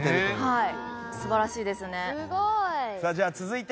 はい！